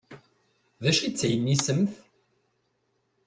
D acu i d taynisemt?